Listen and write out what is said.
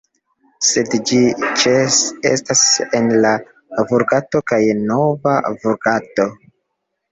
Sed ĝi ĉeestas en la Vulgato kaj Nova Vulgato.